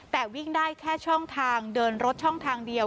แต่วิ่งได้แค่ช่องทางเดินรถช่องทางเดียว